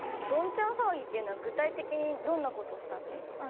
どんちゃん騒ぎっていうのは具体的にどんな事をしたの？